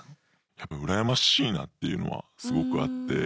やっぱ羨ましいなっていうのはすごくあって。